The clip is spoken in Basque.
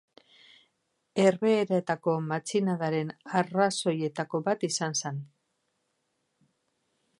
Herbehereetako matxinadaren arrazoietako bat izan zen.